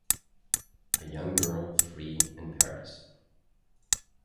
A young girl free in Paris.